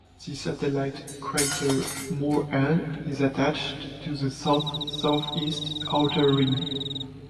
The satellite crater Moore L is attached to the south-southeast outer rim.